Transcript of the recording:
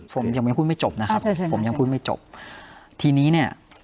ผมยังไม่พูดไม่จบนะครับใช่ใช่ผมยังพูดไม่จบทีนี้เนี่ย